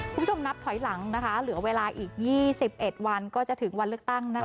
คุณผู้ชมนับถอยหลังนะคะเหลือเวลาอีกยี่สิบเอ็ดวันก็จะถึงวันเลือกตั้งนะคะ